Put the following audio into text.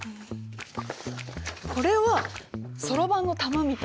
これはそろばんの玉みたい。